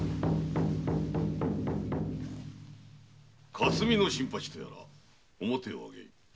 霞の新八とやら面を上げい。